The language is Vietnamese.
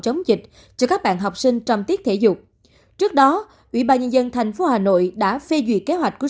chống dịch cho các bạn học sinh trong tiết thể dục trước đó ubnd tp hà nội đã phê duyệt kế hoạch của